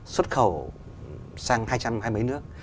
xuất khẩu sang hai trăm hai mươi mấy nước